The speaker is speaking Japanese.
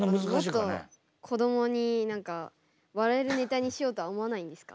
もっと子どもに笑えるネタにしようとは思わないんですか？